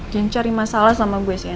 jangan cari masalah sama gue sih ya